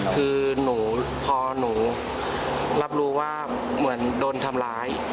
คือพอหนูรับรู้ว่าเหมือนโดนทำร้าย